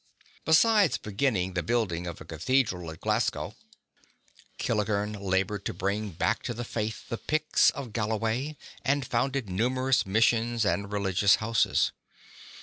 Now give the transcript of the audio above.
Besides beginning the building of a cathedra! at Glasgow, 79 Kentigern labored to bring back to the faith the Piets of Galloway, and founded numerous missions and religious houses.